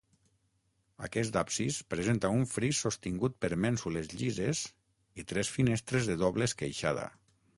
Aquest absis presenta un fris sostingut per mènsules llises i tres finestres de doble esqueixada.